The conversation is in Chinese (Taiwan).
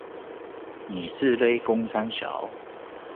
你是哩工三小